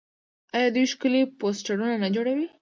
آیا دوی ښکلي پوسټرونه نه جوړوي؟